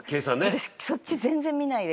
私そっち全然見ないで。